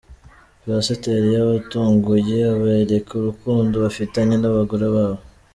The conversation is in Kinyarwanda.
Pasiteri yabatunguye abereka urukundo bafitanye n’abagore babo